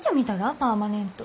パーマネント。